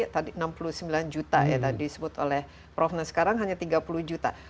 tadi enam puluh sembilan juta ya tadi disebut oleh prof nah sekarang hanya tiga puluh juta